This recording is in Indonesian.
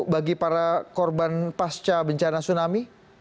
bagi para korban pasca bencana tsunami